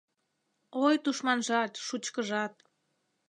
Ой, тушманжат, шучкыжат